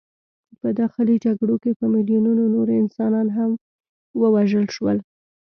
په داخلي جګړو کې په میلیونونو نور انسانان هم ووژل شول.